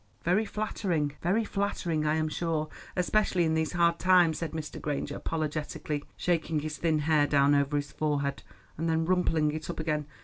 "Very flattering, very flattering, I am sure, especially in these hard times," said Mr. Granger apologetically, shaking his thin hair down over his forehead, and then rumpling it up again.